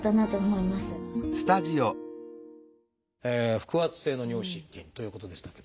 腹圧性の尿失禁ということでしたけど